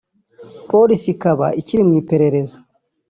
polisi ikaba ikiri mu iperereza